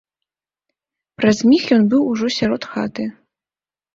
Праз міг ён быў ужо сярод хаты.